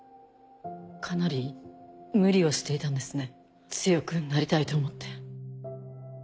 かなり無理をしていたんですね強くなりたいと思って。